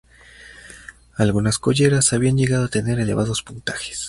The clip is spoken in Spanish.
Algunas colleras habían llegado a tener elevados puntajes.